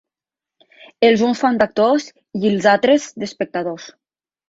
Els uns fan d'actors i els altres d'espectadors.